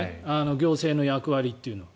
行政の役割というのは。